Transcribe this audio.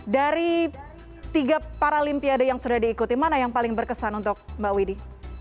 dari tiga paralimpiade yang sudah diikuti mana yang paling berkesan untuk mbak widhi